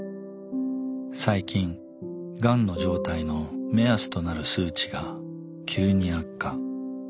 最近がんの状態の目安となる数値が急に悪化。